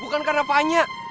bukan karena vanya